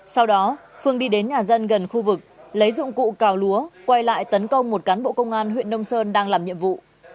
sau đó khương đi đến nhà dân gần khu vực lấy dụng cụ cào lúa quay lại tấn công một cán bộ công an huyện nông sơn đang làm nhiệm vụ